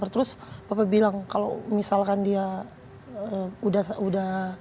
terus papa bilang kalau misalkan dia udah